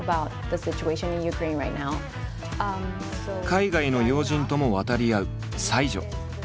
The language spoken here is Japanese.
海外の要人とも渡り合う才女。